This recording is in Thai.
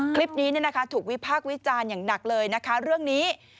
คลิปนี้ถูกวิพากษ์วิจารณ์อย่างหนักเลยนะคะเรื่องนี้